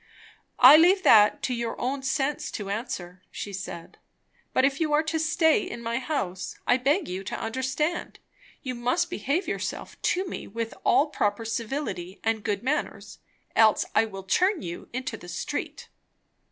"I leave that to your own sense to answer," she said. "But if you are to stay in my house, I beg you to understand, you must behave yourself to me with all proper civility and good manners. Else I will turn you into the street."